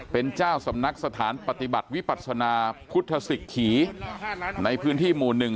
เป็นเจ้าสำนักสถานปฏิบัติวิปัศนาพุทธศิกขีในพื้นที่หมู่๑